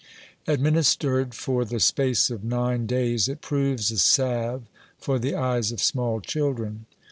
Administered for the space of nine days, it proves a salve for the eyes of small children.